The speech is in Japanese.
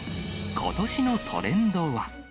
ことしのトレンドは。